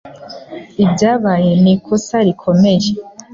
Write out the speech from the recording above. Ibyabaye ni ikosa rikomeye.